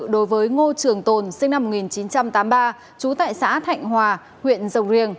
đối với ngô trường tồn sinh năm một nghìn chín trăm tám mươi ba trú tại xã thạnh hòa huyện rồng riềng